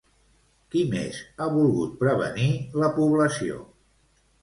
Qui més ha volgut prevenir la població?